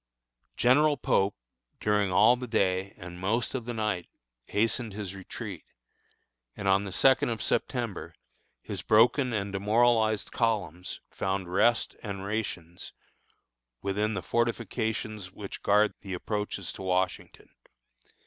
General Pope, during all the day, and most of the night, hastened his retreat, and on the second of September, his broken and demoralized columns found rest and rations within the fortifications which guard the approaches to Washington.